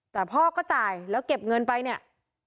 แต่พ่อก็จ่ายแล้วเก็บเงินไปเนี่ย